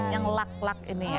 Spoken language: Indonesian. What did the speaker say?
yang lak lak ini ya